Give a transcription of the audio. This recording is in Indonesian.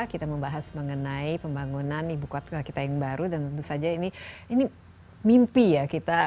kita membahas mengenai pembangunan ibu kota kita yang baru dan tentu saja ini mimpi ya